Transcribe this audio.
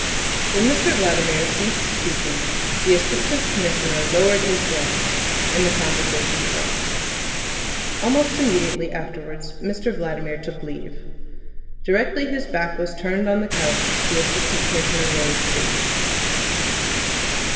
When Mr Vladimir ceased speaking the Assistant Commissioner lowered his glance, and the conversation dropped. Almost immediately afterwards Mr Vladimir took leave. Directly his back was turned on the couch the Assistant Commissioner rose too.